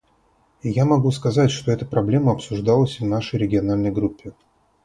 И я могу сказать, что эта проблема обсуждалась и в нашей региональной группе.